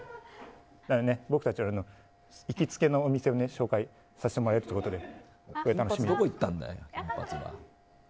僕たちは行きつけのお店を紹介させてもらえるということで。